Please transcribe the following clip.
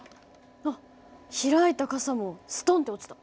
あっ開いた傘もストンって落ちた。